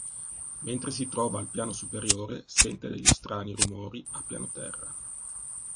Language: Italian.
Mentre si trova al piano superiore, sente degli strani rumori a pianoterra.